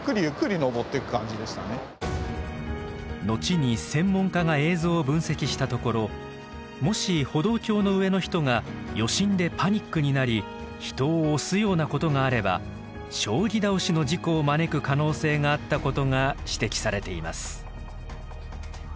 後に専門家が映像を分析したところもし歩道橋の上の人が余震でパニックになり人を押すようなことがあれば将棋倒しの事故を招く可能性があったことが指摘されています。